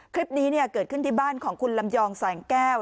คลิปนี้เกิดขึ้นที่บ้านของคุณลำยองแสงแก้ว